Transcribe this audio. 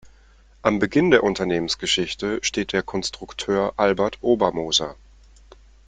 Am Beginn der Unternehmensgeschichte steht der Konstrukteur Albert Obermoser.